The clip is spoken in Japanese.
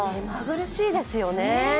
目まぐるしいですよね。